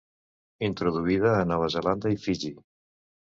Introduïda a Nova Zelanda i Fiji.